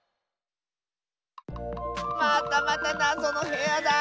またまたなぞのへやだ！